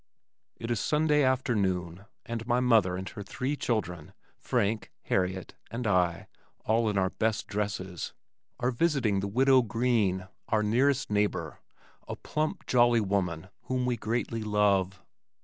It is Sunday afternoon and my mother and her three children, Frank, Harriet and I (all in our best dresses) are visiting the Widow Green, our nearest neighbor, a plump, jolly woman whom we greatly love.